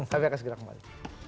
tapi akan segera kembali